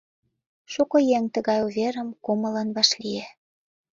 Шуко еҥ тыгай уверым кумылын вашлие.